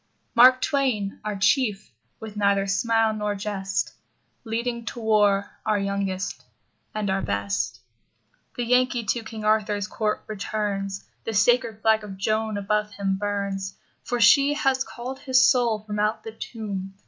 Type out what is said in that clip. Mark Twain, our Chief, with neither smile nor jest, Leading to war our youngest and our best. The Yankee to King Arthur's court returns. The sacred flag of Joan above him burns. For she has called his soul from out the tomb.